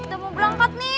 udah mau berangkat nih